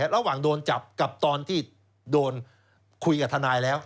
ระหว่างโดนจับกับตอนที่โดนคุยกับทนายแล้ว